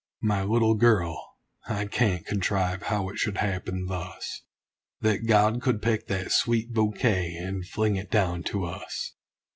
My little girl I can't contrive how it should happen thus That God could pick that sweet bouquet, and fling it down to us!